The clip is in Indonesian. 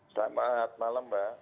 selamat malam mbak